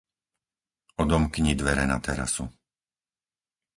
Odomkni dvere na terasu.